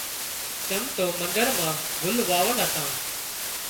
چم تو مندر مان گُل واول هتان